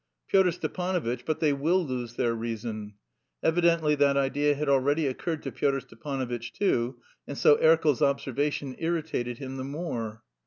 "Pyotr Stepanovitch, but they will lose their reason." Evidently that idea had already occurred to Pyotr Stepanovitch too, and so Erkel's observation irritated him the more.